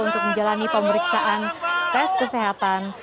untuk menjalani pemeriksaan tes kesehatan